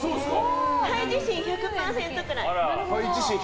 肺自信１００％くらい。